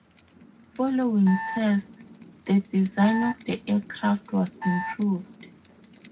Following tests, the design of the aircraft was improved.